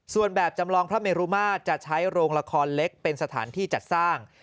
ส่วนแบบจำลองพระเมรุมาตรจะใช้โรงละครเล็กเป็นสถานที่จัดสร้าง